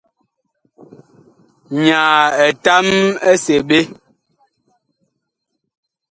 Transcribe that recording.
Nyaa etam ɛ seɓe pɛ.